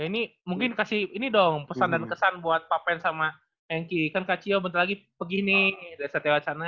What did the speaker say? ya ini mungkin kasih ini dong pesan dan kesan buat pape sama henki kan kak cio bentar lagi begini reset reset sana